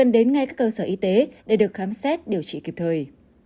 đến ngay các cơ sở y tế để được khám xét điều trị kịp thời